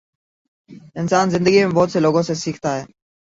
انسان زندگی میں بہت سے لوگوں سے سیکھتا ہے